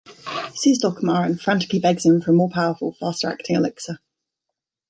He sees Dulcamara and frantically begs him for a more powerful, faster-acting elixir.